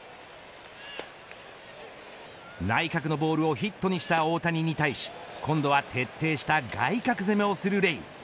内角のボールをヒットにした大谷に対し今度は徹底した外角攻めをするレイ。